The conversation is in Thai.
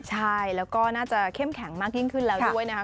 ใช่แล้วก็น่าจะเข้มแข็งมากยิ่งขึ้นแล้วด้วยนะคะ